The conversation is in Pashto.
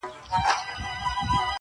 قلندر ويله هلته بيزووانه٫